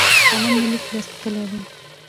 قلم د لیک لوست کلۍ ده